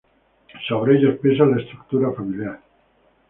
Sobre ellos pesa la estructura familiar.